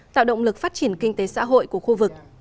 tạo động lực phát triển kinh tế xã hội của khu vực